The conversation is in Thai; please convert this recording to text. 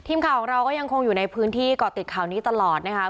ทีมข่าวของเราก็ยังคงอยู่ในพื้นที่เกาะติดข่าวนี้ตลอดนะคะ